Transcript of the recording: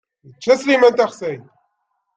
Yečča Sliman taxsayt!